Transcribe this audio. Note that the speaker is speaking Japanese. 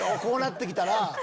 こうなって来たら。